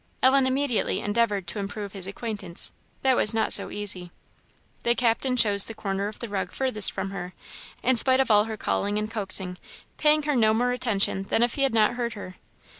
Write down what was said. Ellen immediately endeavoured to improve his acquaintance; that was not so easy. The Captain chose the corner of the rug furthest from her, in spite of all her calling and coaxing, paying her no more attention than if he had not heard her.